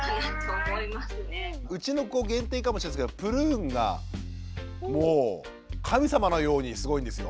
うちの子限定かもしれないですけどプルーンがもう神様のようにすごいんですよ。